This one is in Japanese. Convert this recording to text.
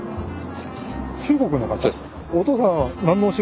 そうです。